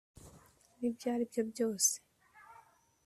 nibyo aribyo byose